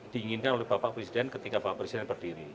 diinginkan oleh bapak presiden ketika bapak presiden berdiri